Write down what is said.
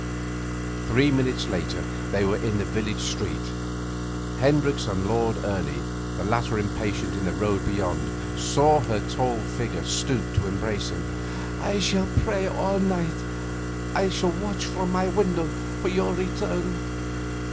Three minutes later they were in the village street. Hendricks and Lord Ernie, the latter impatient in the road beyond, saw her tall figure stoop to embrace him. 'I shall pray all night: I shall watch from my window for your return.